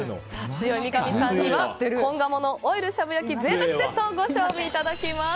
強い三上さんには本鴨のオイルしゃぶ焼き贅沢セットをご賞味いただきます。